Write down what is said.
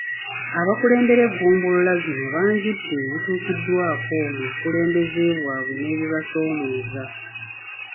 Abakulembera eggombolola zino banjudde ebituukiddwako mu bukulembeze bwabwe n’ebibasoomooza.